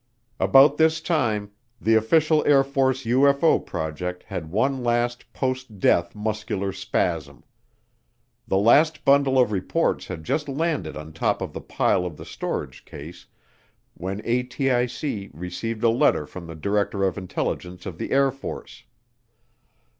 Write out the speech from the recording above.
About this time the official Air Force UFO project had one last post death muscular spasm. The last bundle of reports had just landed on top of the pile in the storage case when ATIC received a letter from the Director of Intelligence of the Air Force.